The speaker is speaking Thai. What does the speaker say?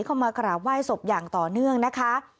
เข้ามากราบไหว้ศพอย่างต่อเนื่องนะคะ